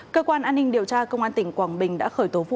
cơ quan an ninh điều tra công an tỉnh quảng bình đã khởi tố vụ án